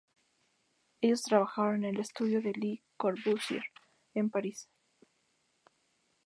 Ellos trabajaron en el estudio de Le Corbusier, en París.